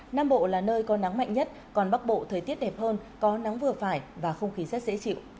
nam bộ là nơi có nắng mạnh nhất còn bắc bộ thời tiết đẹp hơn có nắng vừa phải và không khí rất dễ chịu